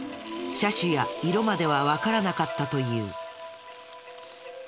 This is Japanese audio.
車種や色まではわからなかったという。